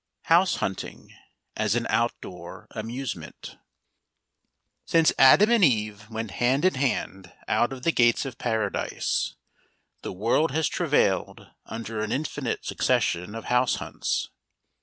HOUSE HUNTING AS AN OUTDOOR AMUSEMENT Since Adam and Eve went hand in hand out of the gates of Paradise, the world has travailed under an infinite succession of house hunts.